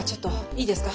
いいですか？